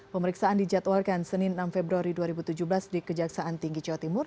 pemeriksaan dijadwalkan senin enam februari dua ribu tujuh belas di kejaksaan tinggi jawa timur